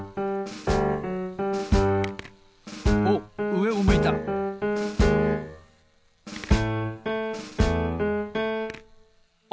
おっうえを向いたお！